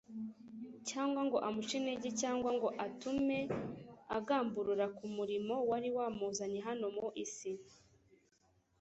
cyangwa ngo amuce intege cyangwa ngo atume agamburura ku murimo wari wamuzanye hano mu isi.